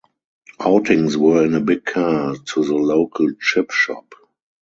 Outings were in a big car to the local chip shop.